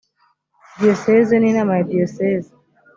diyoseze n inama ya diyoseze